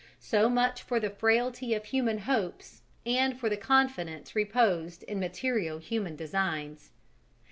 So much for the frailty of human hopes and for the confidence reposed in material human designs.